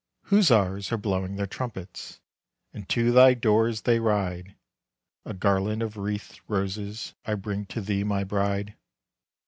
Hussars are blowing their trumpets, And to thy doors they ride. A garland of wreathed roses I bring to thee, my bride.